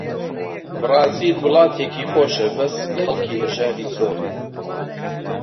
بەرازیل وڵاتێکی خۆشە، بەس خەڵکی هەژاری زۆرە